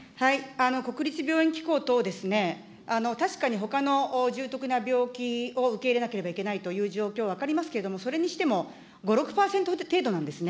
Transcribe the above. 国立病院機構等、確かにほかの重篤な病気を受け入れなければいけないという状況、分かりますけれども、それにしても、５、６％程度なんですね。